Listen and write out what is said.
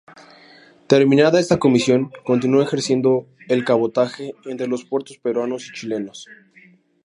Terminada esta comisión continuó ejerciendo el cabotaje entre los puertos peruanos y chilenos.